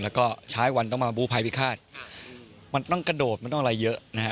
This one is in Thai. แล้วก็ช้าวันต้องมาบูภัยพิฆาตมันต้องกระโดดมันต้องอะไรเยอะนะฮะ